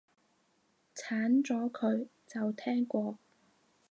鏟咗佢，就聽過